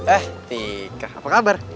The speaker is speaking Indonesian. eh tika apa kabar